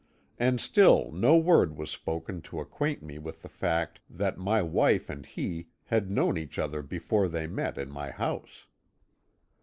And still no word was spoken to acquaint me with the fact that my wife and he had known each other before they met in my house.